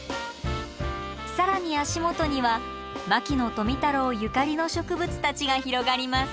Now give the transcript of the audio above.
更に足元には牧野富太郎ゆかりの植物たちが広がります。